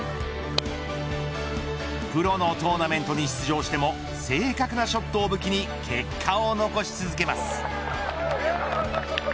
プロのトーナメントに出場しても正確なショットを武器に結果を残し続けます。